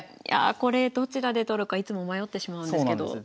いやこれどちらで取るかいつも迷ってしまうんですけど。